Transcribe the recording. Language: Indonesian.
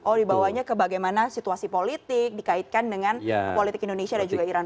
oh dibawanya ke bagaimana situasi politik dikaitkan dengan politik indonesia dan juga iran